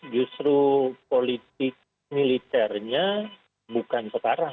justru politik militernya bukan sekarang